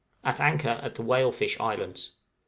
_ At anchor at the Whalefish Islands.